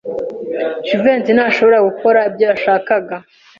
Jivency ntashobora gukora ibyo yashakaga.